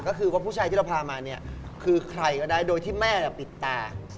ก็คือว่าผู้ชายที่เราพามาเนี่ยคือใครก็ได้โดยที่แม่ปิดตา